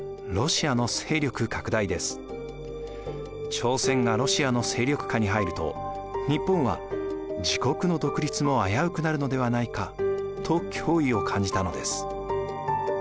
朝鮮がロシアの勢力下に入ると日本は自国の独立も危うくなるのではないかと脅威を感じたのです。